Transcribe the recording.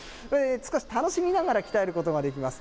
楽しみながら鍛えることができます。